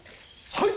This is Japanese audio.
はい！